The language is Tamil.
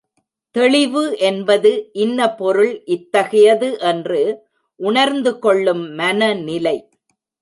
தெளிவு என்பது இன்ன பொருள் இத்தகையது என்று உணர்ந்துகொள்ளும் மனநிலை.